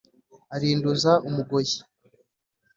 arinduza umugoyi